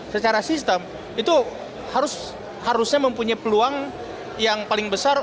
secara sistem itu harusnya mempunyai peluang yang paling besar